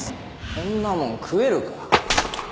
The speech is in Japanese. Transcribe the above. こんなもん食えるか。